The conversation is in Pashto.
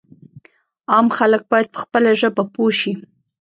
عام خلک باید په خپله ژبه پوه شي.